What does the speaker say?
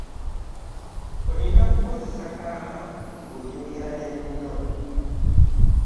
Olina kukozesa kaama nga oyogera ne munno